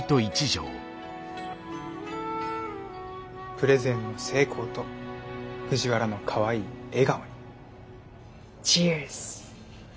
プレゼンの成功と藤原のかわいい笑顔にＣｈｅｅｒｓ！